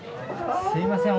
すいません。